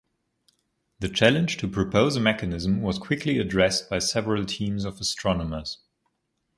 The challenge to propose a mechanism was quickly addressed by several teams of astronomers.